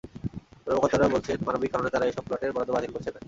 কর্মকর্তারা বলছেন, মানবিক কারণে তাঁরা এসব প্লটের বরাদ্দ বাতিল করছেন না।